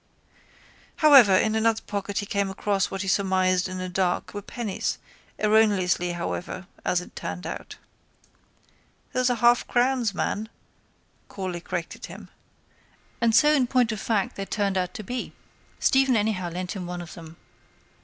However in another pocket he came across what he surmised in the dark were pennies, erroneously however, as it turned out. —Those are halfcrowns, man, Corley corrected him. And so in point of fact they turned out to be. Stephen anyhow lent him one of them.